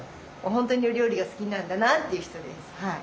本当にお料理が好きなんだなっていう人ですはい。